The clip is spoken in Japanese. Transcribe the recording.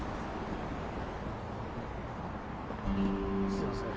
すいません